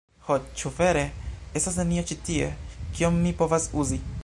Ho, ĉu vere? Estas nenio ĉi tie? Kion mi povas uzi?